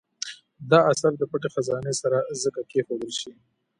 دا اثر د پټې خزانې سره ځکه کېښودل شي.